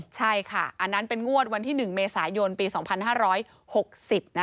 ใช่ค่ะอันนั้นเป็นงวดวันที่๑เมษายนปี๒๕๖๐นะคะ